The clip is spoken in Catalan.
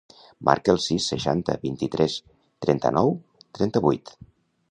Marca el sis, seixanta, vint-i-tres, trenta-nou, trenta-vuit.